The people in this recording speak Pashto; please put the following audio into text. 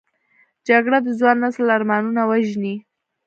جګړه د ځوان نسل ارمانونه وژني